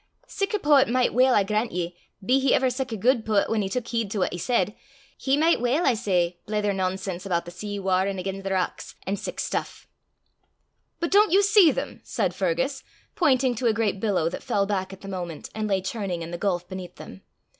sic a poet micht weel, I grant ye, be he ever sic a guid poet whan he tuik heed to what he said, he micht weel, I say, blether nonsense aboot the sea warrin' again' the rocks, an' sic stuff." "But don't you see them?" said Fergus, pointing to a great billow that fell back at the moment, and lay churning in the gulf beneath them.